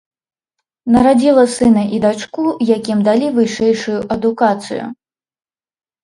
Нарадзіла сына і дачку, якім далі вышэйшую адукацыю.